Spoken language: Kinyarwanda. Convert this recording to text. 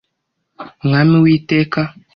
Mwami w iteka